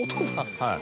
はい。